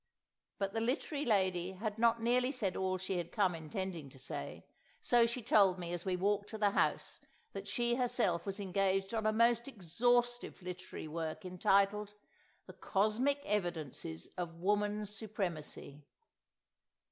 But the Literary Lady had not nearly said all she had come intending to say; so she told me as we walked to the house that she herself was engaged on a most exhaustive literary work, entitled, "The Cosmic Evidences of Woman's Supremacy."